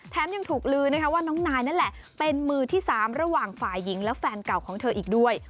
ยังถูกลือนะคะว่าน้องนายนั่นแหละเป็นมือที่๓ระหว่างฝ่ายหญิงและแฟนเก่าของเธออีกด้วย